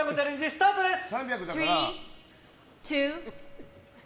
スタートです！